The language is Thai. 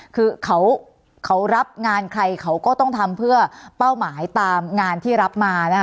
คือเขารับงานใครเขาก็ต้องทำเพื่อเป้าหมายตามงานที่รับมานะคะ